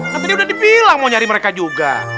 kan tadi udah dibilang mau nyari mereka juga